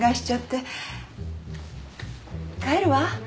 帰るわ。